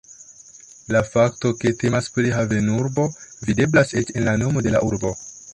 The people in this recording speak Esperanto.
La fakto ke temas pri havenurbo videblas eĉ en la nomo de la urbo.